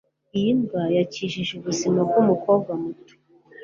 Iyi mbwa yakijije ubuzima bwumukobwa muto